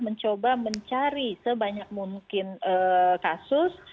mencoba mencari sebanyak mungkin kasus